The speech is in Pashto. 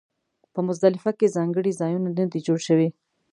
په مزدلفه کې ځانګړي ځایونه نه دي جوړ شوي.